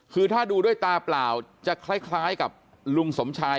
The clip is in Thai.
คือถ้าดูด้วยตาเปล่าจะคล้ายกับลุงสมชาย